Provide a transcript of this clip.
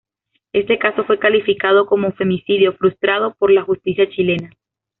Este caso fue calificado como femicidio frustrado por la justicia chilena.